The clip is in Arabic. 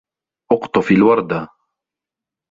اُقْطُفْ الْوَرْدَةَ.